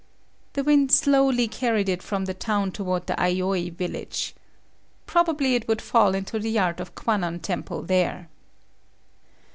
The wind slowly carried it from the town toward the Aioi village. Probably it would fall into the yard of Kwanon temple there.